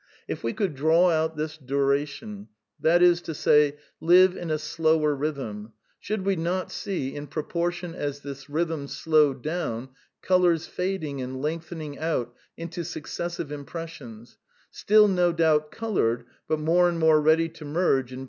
... If we could draw out this duration, that is to say, live in a slower rhythm, should we not see, in proportion as this rhythm slowed down, colours fading and lengthening out into successive impressions, still no doubt coloured, but more and more ready to merge in.